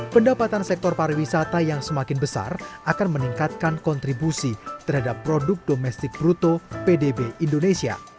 pendapatan sektor pariwisata yang semakin besar akan meningkatkan kontribusi terhadap produk domestik bruto pdb indonesia